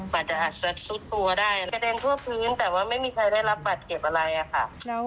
มันจะอาจจะเส็ดซุดตัวได้แกก็ได้เทมทั่วพื้นแต่ว่าไม่มีใครได้รับบัตรเก็บอะไรอ่ะค่ะ